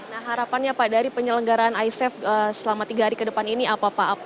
nah harapannya pak dari penyelenggaraan isaf selama tiga hari ke depan ini apa pak